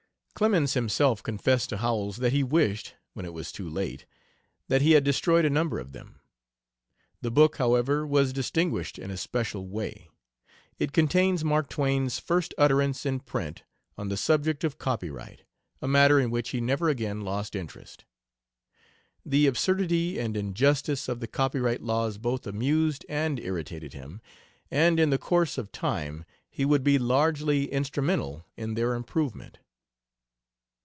Clemens himself confessed to Howells that He wished, when it was too late, that he had destroyed a number of them. The book, however, was distinguished in a special way: it contains Mark Twain's first utterance in print on the subject of copyright, a matter in which he never again lost interest. The absurdity and injustice of the copyright laws both amused and irritated him, and in the course of time he would be largely instrumental in their improvement.